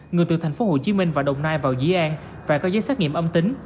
người từ thành phố hồ chí minh và đồng nai vào dĩ an phải có giấy xét nghiệm âm tính